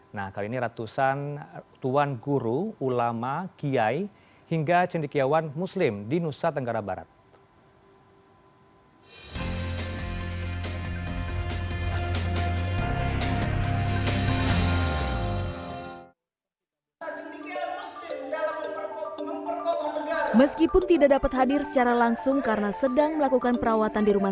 nah kali ini ratusan tuan guru ulama kiai hingga cendekiawan muslim di nusa tenggara barat